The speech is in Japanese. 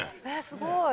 すごい。